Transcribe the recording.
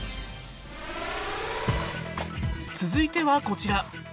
続いてはこちら。